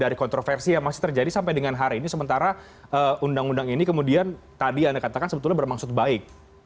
dari kontroversi yang masih terjadi sampai dengan hari ini sementara undang undang ini kemudian tadi anda katakan sebetulnya bermaksud baik